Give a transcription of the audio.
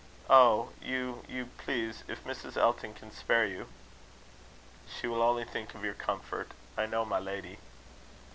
"Oh! you, you, please if Mrs. Elton can spare you." "She will only think of your comfort, I know, my lady."